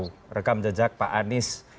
yang menangkan rekam jejak pak anies